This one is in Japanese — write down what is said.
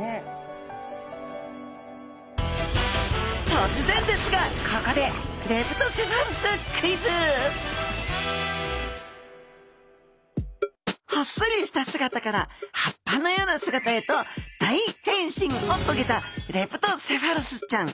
突然ですがここでほっそりした姿から葉っぱのような姿へと大変身を遂げたレプトセファルスちゃん。